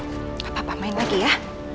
tidak apa apa main lagi ya